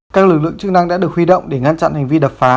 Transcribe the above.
các lực lượng chức năng đã được huy động để ngăn chặn hành vi đập phá